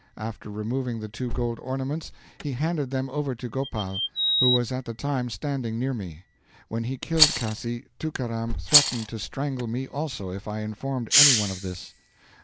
After removing the two gold ornaments, he handed them over to Gopal, who was at the time standing near me. When he killed Cassi, Tookaram threatened to strangle me also if I informed any one of this.